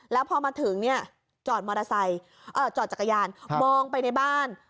แล้วพอมาถึงเนี่ยจอดจักรยานมองไปในบ้าน